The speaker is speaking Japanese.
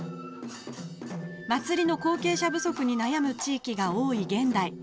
祭りの後継者不足に悩む地域が多い現代。